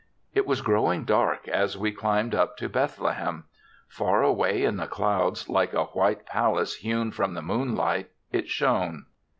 It was growing dark as we climbed up to Bethlehem; far away in the clouds, like a white pal ace hewn from the moonlight, it shone.